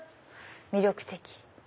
魅力的。